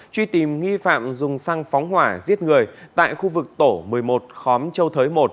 truy tìm nghi phạm dùng xăng phóng hỏa giết người tại khu vực tổ một mươi một khóm châu thới một